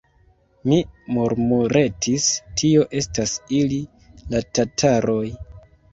mi murmuretis: tio estas ili, la tataroj!